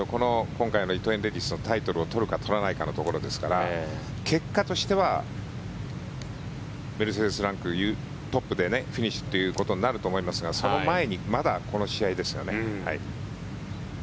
今回の伊藤園レディスのタイトルを取るか取らないかのところですから結果としてはメルセデス・ランクトップでフィニッシュということになると思いますがその前にまだ、この試合ですよね。